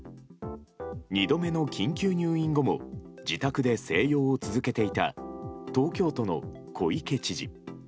２度目の緊急入院後も自宅で静養を続けていた東京都の小池知事。